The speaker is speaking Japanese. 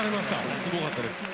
すごかったです。